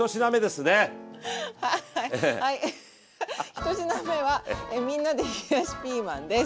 １品目はみんなで冷やしピーマンです。